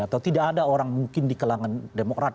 atau tidak ada orang mungkin di kelangan demokrat